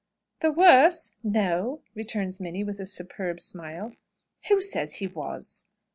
"The worse! No!" returns Minnie, with a superb smile. "Who says he was?"